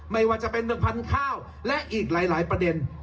ไม่ว่าจะเป็นเรื่องพันธุ์ข้าวและอีกหลายประเด็น